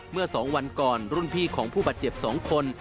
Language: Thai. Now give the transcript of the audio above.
เมื่อ๒วันก่อนรุ่นพี่ของผู้บาดเจ็บ๒คน